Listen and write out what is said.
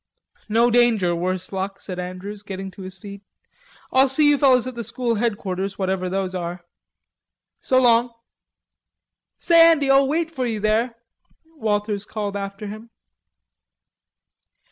"No danger, worse luck," said Andrews, getting to his feet. "I'll see you fellows at the School Headquarters, whatever those are.... So long." "Say, Andy, I'll wait for you there," Walters called after him.